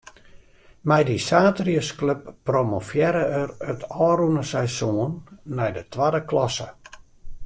Mei dy saterdeisklup promovearre er it ôfrûne seizoen nei de twadde klassse.